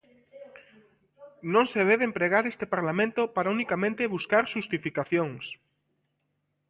Non se debe empregar este Parlamento para unicamente buscar xustificacións.